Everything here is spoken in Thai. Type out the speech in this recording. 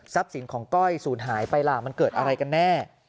สินของก้อยศูนย์หายไปล่ะมันเกิดอะไรกันแน่